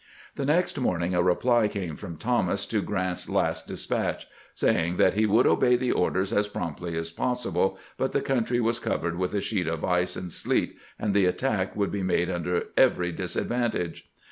The next morning a reply came from Thomas to Grant's last despatch, saying that he would obey the orders as promptly as possible, but the country was covered with a sheet of ice and sleet, and the attack would be made under every disadvantage.